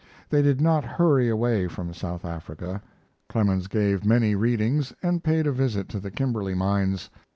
They did not hurry away from South Africa. Clemens gave many readings and paid a visit to the Kimberley mines.